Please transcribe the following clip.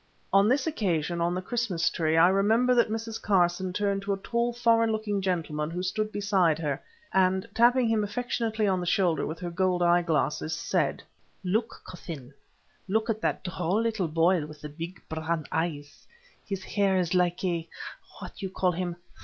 On this occasion of the Christmas tree I remember that Mrs. Carson turned to a tall, foreign looking gentleman who stood beside her, and, tapping him affectionately on the shoulder with her gold eye glasses, said— "Look, cousin—look at that droll little boy with the big brown eyes; his hair is like a—what you call him?